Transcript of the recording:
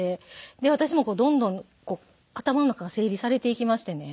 で私もどんどん頭の中が整理されていきましてね